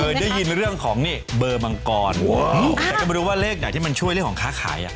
เคยได้ยินเรื่องของเบอร์มังกรแต่ก็มาดูว่าเลขไหนที่ช่วยเลขข้าขาย